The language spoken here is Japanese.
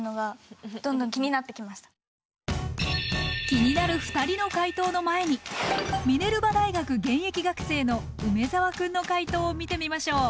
気になる２人の解答の前にミネルバ大学現役学生の梅澤くんの解答を見てみましょう。